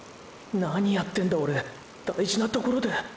何やってんだオレ大事なところで！！